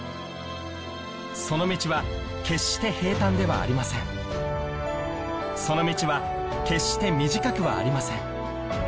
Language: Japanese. その道は決して平たんではありませんその道は決して短くはありません